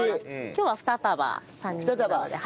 今日は２束３人分なので。